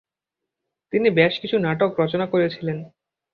তিনি বেশ কিছু নাটক রচনা করেছিলেন ।